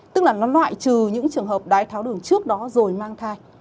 tức là nó loại trừ những trường hợp đái tháo đường trước đó rồi mang thai